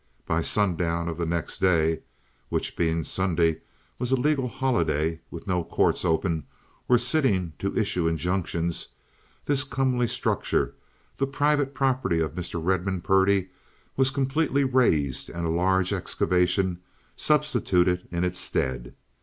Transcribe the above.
By sundown of the next day (which, being Sunday, was a legal holiday, with no courts open or sitting to issue injunctions) this comely structure, the private property of Mr. Redmond Purdy, was completely razed and a large excavation substituted in its stead.